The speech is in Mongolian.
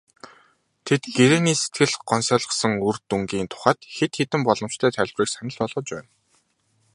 Тэд гэрээний сэтгэл гонсойлгосон үр дүнгийн тухайд хэд хэдэн боломжтой тайлбарыг санал болгож байна.